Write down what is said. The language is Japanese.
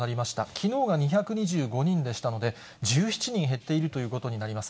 きのうが２２５人でしたので、１７人減っているということになります。